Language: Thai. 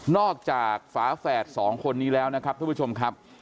นอกจากฝาแฝด๒คนนี้แล้วนะครับท่านผู้ชมครับ